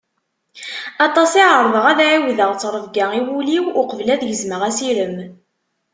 Aṭas i ɛerḍeɣ ad ɛiwdeɣ ttrebga i wul-iw uqbel ad gezmeɣ asirem.